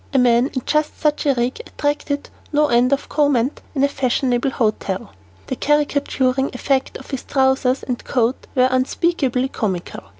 A man in just such a rig attracted no end of comment in a fashionable hotel. The caricaturing effect of his trousers and coat were unspeakably comical.